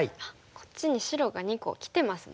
こっちに白が２個きてますもんね。